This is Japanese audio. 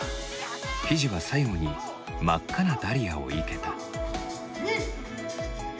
ひじは最後に真っ赤なダリアをいけた。